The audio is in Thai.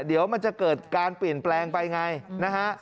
เดี๋ยวมันจะเกิดการเปลี่ยนแปลงไปไงนะฮะ